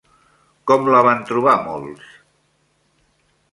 Com la van trobar molts?